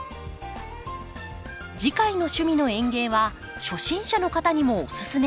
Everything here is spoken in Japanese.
次回の「趣味の園芸」は初心者の方にもおすすめ